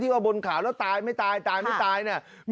ว่าบนขาวแล้วตายไม่ตายตายไม่ตายเนี่ย